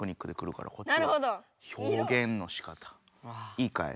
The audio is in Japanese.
いいかい？